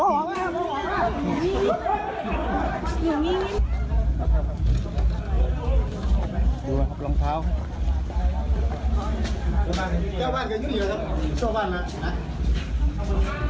มันแล้วนะคะ